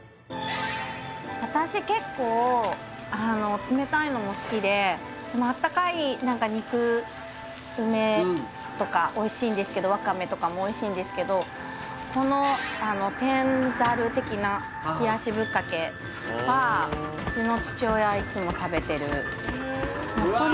私結構冷たいのも好きで温かい肉梅とかおいしいんですけどわかめとかもおいしいんですけどこの天ざる的な冷やしぶっかけはうちの父親はいつも食べてるうわ